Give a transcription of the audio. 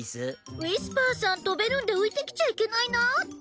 ウィスパーさん飛べるんで浮いてきちゃいけないなって。